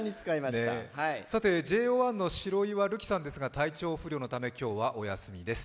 さて、ＪＯ１の白岩瑠姫さんですが体調不良のため、今日はお休みです。